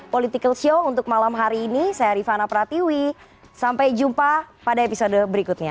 political show untuk malam hari ini saya rifana pratiwi sampai jumpa pada episode berikutnya